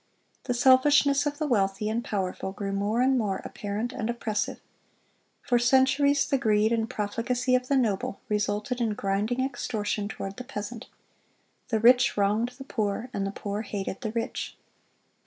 The selfishness of the wealthy and powerful grew more and more apparent and oppressive. For centuries the greed and profligacy of the noble resulted in grinding extortion toward the peasant. The rich wronged the poor, and the poor hated the rich.